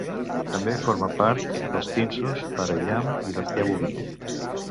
També forma part de pinsos per aviram i bestiar boví.